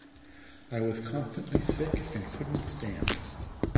I was constantly sick and couldn't stand.